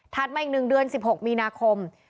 มาอีก๑เดือน๑๖มีนาคม